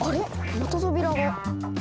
また扉が！